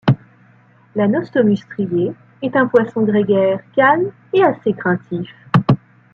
L'Anostomus strié est un poisson grégaire, calme et assez craintif.